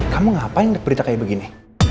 kamu ngapain berita kayak begini